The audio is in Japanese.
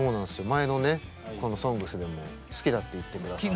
前のねこの「ＳＯＮＧＳ」でも好きだって言って下さって。